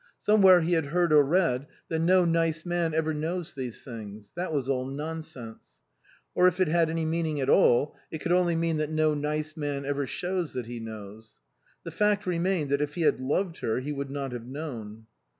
Somewhere he had heard or read that no nice man ever knows these things. That was all nonsense ; or if it had any meaning at all, it could only mean that no nice man ever shows that he knows. The fact remained that if he had loved her he would not have known.